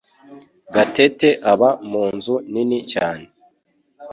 Gatete aba munzu nini cyane.